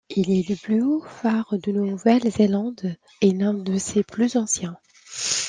Il est le plus haut phare de Nouvelle-Zélande et l'un de ses plus anciens.